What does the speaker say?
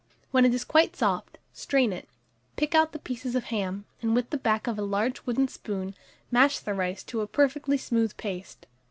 When it is quite soft, strain it, pick out the pieces of ham, and, with the back of a large wooden spoon, mash the rice to a perfectly smooth paste.